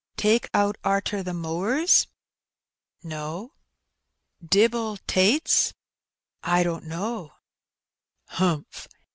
'^ Take out arter the mowers ?"" No." "Dibbel tates?" " I don't know." ''Humph.